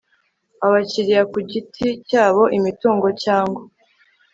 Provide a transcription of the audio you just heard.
abakiriya ku giti cyabo imitungo cyangwa